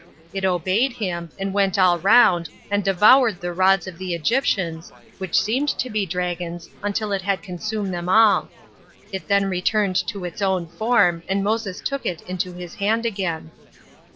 It obeyed him, and went all round, and devoured the rods of the Egyptians, which seemed to be dragons, until it had consumed them all. It then returned to its own form, and Moses took it into his hand again.